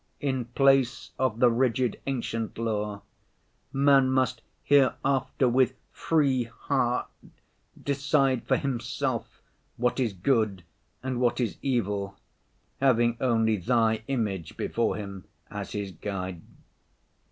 In place of the rigid ancient law, man must hereafter with free heart decide for himself what is good and what is evil, having only Thy image before him as his guide.